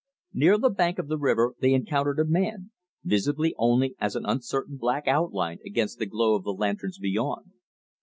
Near the bank of the river they encountered a man, visible only as an uncertain black outline against the glow of the lanterns beyond.